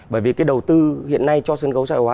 bởi vì cái đầu tư hiện nay cho sân khấu sợi hóa